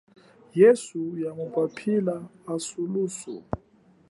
Yesu yamuphaphila, hakulusu.